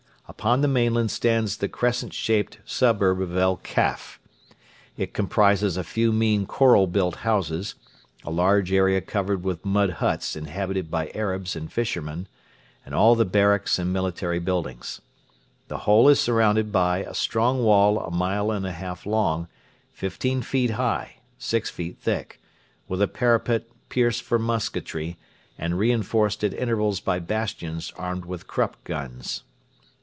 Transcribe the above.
Upon the mainland stands the crescent shaped suburb of El Kaff. It comprises a few mean coral built houses, a large area covered with mud huts inhabited by Arabs and fishermen, and all the barracks and military buildings. The whole is surrounded by a strong wall a mile and a half long, fifteen feet high, six feet thick, with a parapet pierced for musketry and strengthened at intervals by bastions armed with Krupp guns.